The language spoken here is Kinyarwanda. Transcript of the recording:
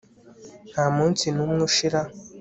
ntamunsi numwe ushira